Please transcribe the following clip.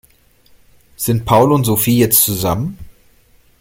Sind Paul und Sophie jetzt zusammen?